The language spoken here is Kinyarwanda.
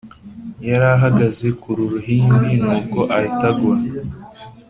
yarahagaze kururuhimbi nuko ahita agwa